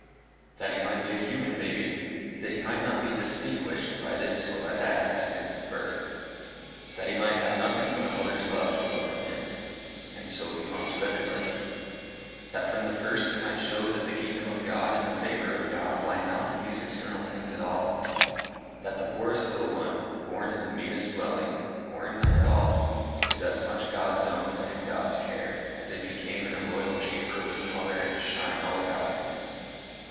"That he might be just a human baby. That he might not be distinguished by this or by that accident of birth; that he might have nothing but a mother's love to welcome him, and so belong to everybody; that from the first he might show that the kingdom of God and the favour of God lie not in these external things at all that the poorest little one, born in the meanest dwelling, or in none at all, is as much God's own and God's care as if he came in a royal chamber with colour and shine all about him.